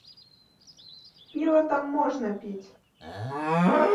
Піва там можна піць.